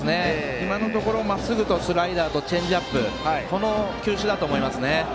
今のところまっすぐとスライダーとチェンジアップの球種だと思います。